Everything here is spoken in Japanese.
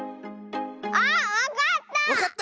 あっわかった！